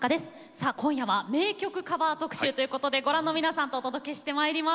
さあ今夜は名曲カバー特集ということでご覧の皆さんとお届けしてまいります。